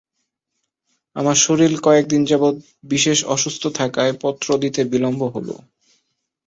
আমার শরীর কয়েকদিন যাবৎ বিশেষ অসুস্থ থাকায় পত্র দিতে বিলম্ব হল।